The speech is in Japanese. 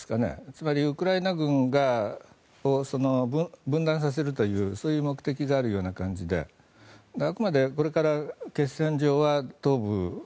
つまり、ウクライナ軍を分断させるというそういう目的があるような感じであくまでこれから決戦場は東部。